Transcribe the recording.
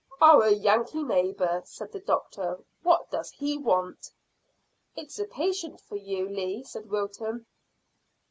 "Our Yankee neighbour," said the doctor. "What does he want?" "It's a patient for you, Lee," said Wilton.